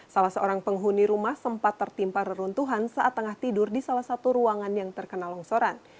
salah seorang penghuni rumah sempat tertimpa reruntuhan saat tengah tidur di salah satu ruangan yang terkena longsoran